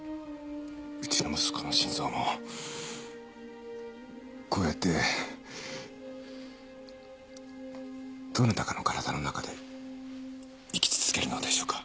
うちの息子の心臓もこうやってどなたかの体の中で生き続けるのでしょうか？